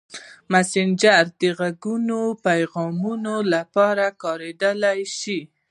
مسېنجر د غږیزو پیغامونو لپاره کارېدلی شي.